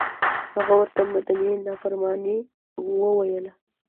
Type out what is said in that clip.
هغه ورته مدني نافرماني وویله.